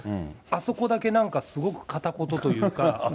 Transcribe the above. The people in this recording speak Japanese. あそこだけなんかすごく片言というか。